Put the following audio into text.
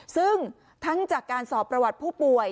ซึ่งทั้งจากการสอบประวัติผู้ป่วย